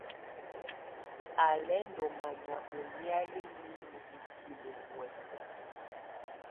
Á lɛ́ ndɔ́ manyá ɔ́ nɛ̀áyɛ niinyǝ́ ú tilǝ́ muɛsɛ.